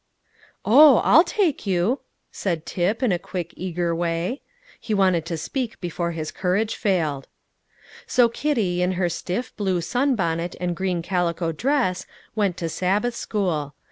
"Oh, I'll take you!" said Tip, in a quick, eager way. He wanted to speak before his courage failed. So Kitty, in her stiff blue sunbonnet and green calico dress, went to Sabbath school.